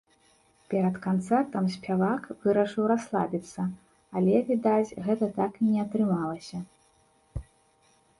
Перад канцэртам спявак вырашыў расслабіцца, але, відаць, гэта так і не атрымалася.